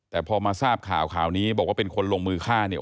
แต่พอมาทราบข่าวข่าวนี้บอกว่าเป็นคนลงมือฆ่าเนี่ย